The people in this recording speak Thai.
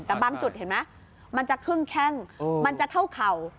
แต่บางจุดเห็นไหมมันจะครึ่งแข้งมันจะเท่าเข่า